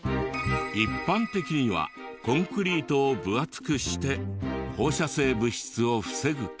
一般的にはコンクリートを分厚くして放射性物質を防ぐけど。